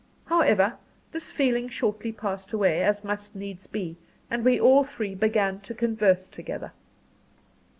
However, this feeling shortly passed away, as must needs be; and we all three began to converse together.